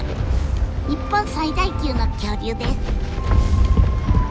日本最大級の恐竜です。